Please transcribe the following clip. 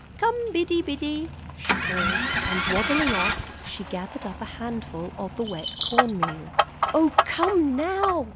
Come, Biddy Biddy," she called, and waddling off, she gathered up a handful of the wet corn meal. "Oh, come now!"